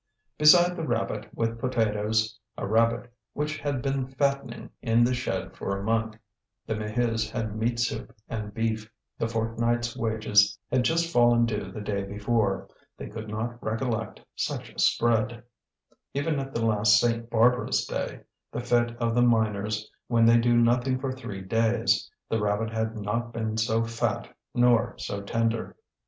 Beside the rabbit with potatoes, a rabbit which had been fattening in the shed for a month, the Maheus had meat soup and beef. The fortnight's wages had just fallen due the day before. They could not recollect such a spread. Even at the last St. Barbara's Day, the fete of the miners when they do nothing for three days, the rabbit had not been so fat nor so tender.